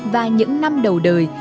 và những năm đầu đời